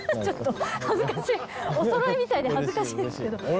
ちょっと恥ずかしいお揃いみたいで恥ずかしいんですけど。